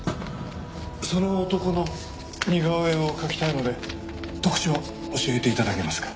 その男の似顔絵を描きたいので特徴教えて頂けますか？